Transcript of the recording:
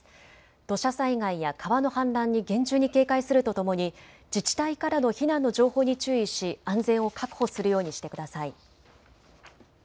土砂災害や川の氾濫に厳重に警戒するとともに自治体からの避難の情報に注意し安全を確保するようにしてください。